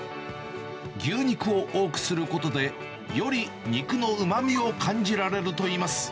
牛肉を多くすることで、より肉のうまみを感じられるといいます。